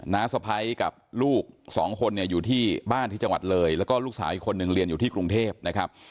้าสะพ้ายกับลูกสองคนเนี่ยอยู่ที่บ้านที่จังหวัดเลยแล้วก็ลูกสาวอีกคนนึงเรียนอยู่ที่กรุงเทพนะครับ